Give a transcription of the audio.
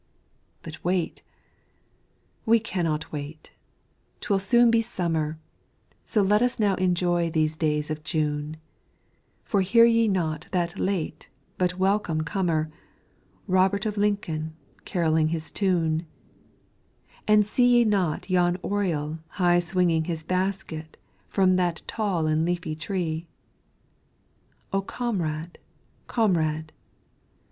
But wait! We cannot wait 'Twill soon be Summer, So let us now enjoy these days of June, For hear ye not that late, but welcome comer, Robert of Lincoln carroling his tune; And see ye not yon oriole high swinging His basket from that tall and leafy tree O Comrade, Comrade!